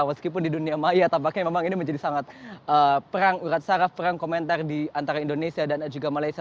meskipun di dunia maya tampaknya memang ini menjadi sangat perang urat saraf perang komentar di antara indonesia dan juga malaysia